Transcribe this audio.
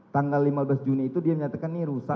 tanggal lima belas juni itu dia menyatakan ini rusak